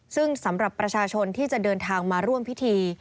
ซึ่งสำหรับประชาชนที่จะเดินทางมาร่วมพิธี